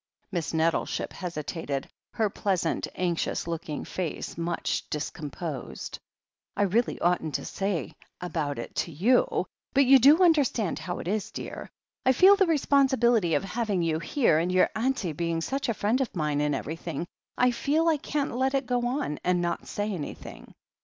Miss Nettleship hesitated, her pleasant, anxious looking face much discomposed. "Really I oughtn't to say anything about it to you, but you do imderstand how it is, dear — I feel the responsibility of having you here, and your auntie being such a friend of mine and everything, I feel I can't let it go on and not say anything."